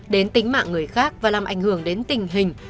đến tính mạng người khác và làm ảnh hưởng đến tình hình